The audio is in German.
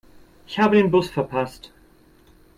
Ich habe den Bus verpasst.